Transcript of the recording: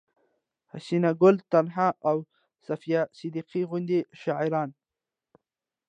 حسينه ګل تنها او صفيه صديقي غوندې شاعرانو